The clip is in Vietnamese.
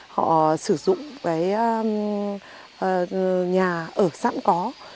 họ sử dụng cái nhà ở sẵn có